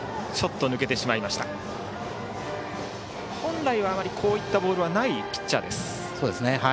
本来はあまりこういったボールはないピッチャーです。